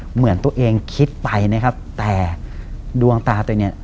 เหมือนตัวเองคิดไปนะครับแต่ดวงตาตัวเองเนี่ย